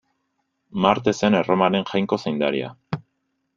Marte zen Erromaren jainko zaindaria.